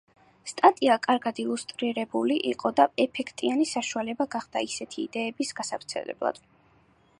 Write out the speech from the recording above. სტატია კარგად ილუსტრირებული იყო და ეფექტიანი საშუალება გახდა ასეთი იდეების გასავრცელებლად.